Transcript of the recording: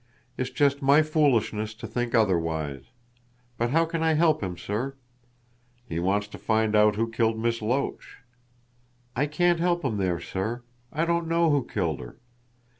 It's just my foolishness to think otherwise. But how can I help him, sir?" "He wants to find out who killed Miss Loach." "I can't help him there, sir. I don't know who killed her.